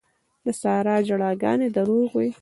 د سارا ژړاګانې دروغ وې.